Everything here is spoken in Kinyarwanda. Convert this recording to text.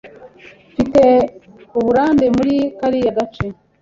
Mfite uburambe muri kariya gace.